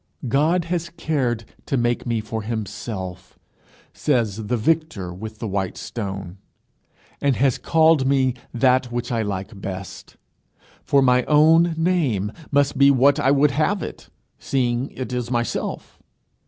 "God has cared to make me for himself," says the victor with the white stone, "and has called me that which I like best; for my own name must be what I would have it, seeing it is myself.